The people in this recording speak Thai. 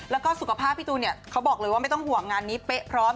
แล้วก็สุขภาพพี่ตูนเนี่ยเขาบอกเลยว่าไม่ต้องห่วงงานนี้เป๊ะพร้อม